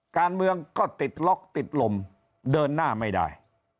การเมืองก็ติดล็อกติดลมเดินหน้าไม่ได้